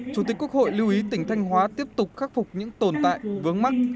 chủ tịch quốc hội lưu ý tỉnh thanh hóa tiếp tục khắc phục những tồn tại vướng mắc